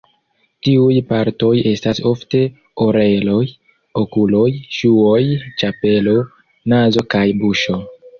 Tiuj partoj estas ofte oreloj, okuloj, ŝuoj, ĉapelo, nazo kaj buŝo.